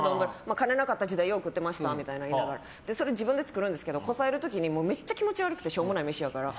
金がなかった時代によう食ってましたみたいなの言いながら、自分で作っててめっちゃ気持ち悪くてしょうもない飯やから。